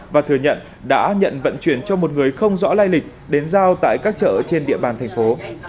và thừa nhận đã nhận vận chuyển cho một người không rõ lai lịch đến giao tại các chợ trên địa bàn thành phố